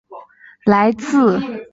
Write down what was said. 来自各县市的搜救团队